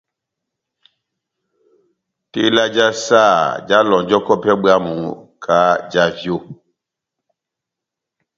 Tela já saha jáhalɔnjɔkɔ pɛhɛ bwámu kahá já vyo.